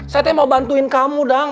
saya tuh yang mau bantuin kamu dang